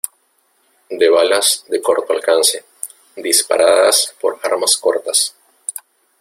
de balas de corto alcance, disparadas por armas cortas.